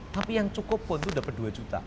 tapi yang cukup pun itu dapat dua juta